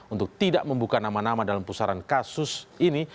untuk tidak membuka nama nama dalam pusaran kasus ini